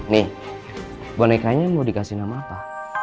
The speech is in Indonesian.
nih bonekanya mau dikasih nama apa